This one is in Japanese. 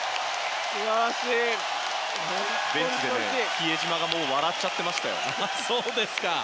ベンチで比江島がもう笑っちゃってましたよ。